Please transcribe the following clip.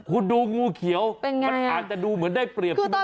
คุณดูงูเขียวมันอาจจะดูเหมือนได้เปรียบขึ้นมา